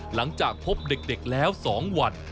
หลังจากพบเด็กแล้ว๒วัน